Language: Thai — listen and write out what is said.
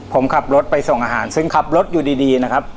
ผมขับรถไปส่งอาหารซึ่งขับรถอยู่ดีนะครับ